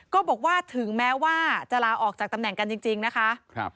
ก็บอกว่าถึงแม้ว่าจะลาออกจากตำแหน่งกันจริงนะคะ